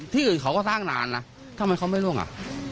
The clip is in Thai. อื่นเขาก็สร้างนานนะทำไมเขาไม่ล่วงอ่ะ